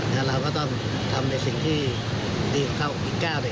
เราก็ต้องทำในสิ่งที่ดีของเขาอีกก้าวหนึ่ง